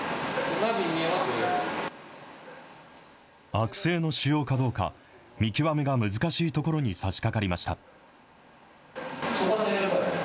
悪性の腫瘍かどうか、見極めが難しいところにさしかかりました。